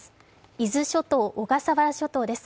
伊豆諸島、小笠原諸島です。